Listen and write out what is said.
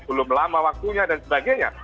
belum lama waktunya dan sebagainya